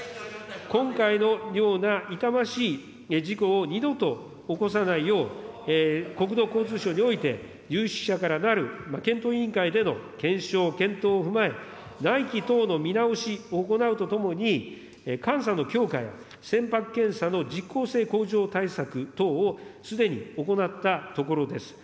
今回のような痛ましい事故を二度と起こさないよう、国土交通省において有識者からなる検討委員会での検証、検討を踏まえ、内規等の見直しを行うとともに、監査の強化や、船舶検査の実効性向上対策等をすでに行ったところです。